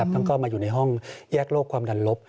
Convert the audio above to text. เข้ามาอยู่ในห้องแยกโลกความดันลบ